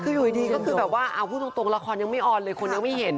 คืออยู่ดีก็คือแบบว่าเอาพูดตรงละครยังไม่ออนเลยคนยังไม่เห็น